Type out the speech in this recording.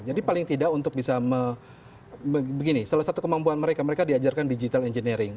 jadi paling tidak untuk bisa begini salah satu kemampuan mereka mereka diajarkan digital engineering